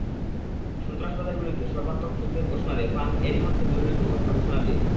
সন্ত্রাসবাদের বিরুদ্ধে সর্বাত্মক যুদ্ধের ঘোষণা দিয়ে ফ্রান্স এরই মধ্যে জরুরি অবস্থা ঘোষণা দিয়েছে।